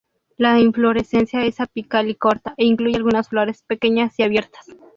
La inflorescencia es apical y corta, e incluye algunas flores pequeñas y abiertas.